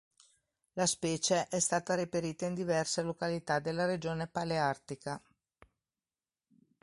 La specie è stata reperita in diverse località della regione paleartica.